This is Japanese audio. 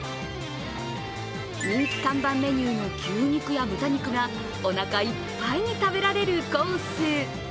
人気看板メニューの牛肉や豚肉がおなかいっぱいに食べられるコース。